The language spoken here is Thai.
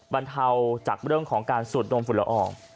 บรรเทาจากเรื่องของการสูดดมฝุ่นละออง